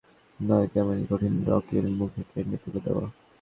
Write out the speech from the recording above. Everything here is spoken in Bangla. পাথরে ফুল ফোটানো যেমন সহজ নয়, তেমনই কঠিন রকের মুখে ক্যান্ডি তুলে দেওয়া।